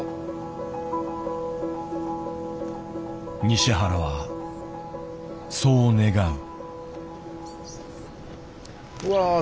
西原はそう願う。